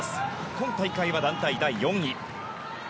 今大会は団体第４位。